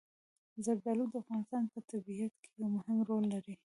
زردالو د افغانستان په طبیعت کې یو مهم رول لري.